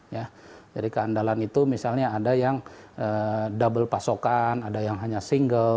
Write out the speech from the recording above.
jadi keandalan itu misalnya ada yang double pasokan ada yang hanya single